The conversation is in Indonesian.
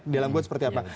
di dalam got seperti apa